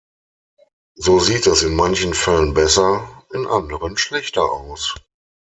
So sieht es in manchen Fällen besser, in anderen schlechter aus.